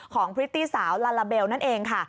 ของพฤติสาวลาลาเบลนั่นเองค่ะ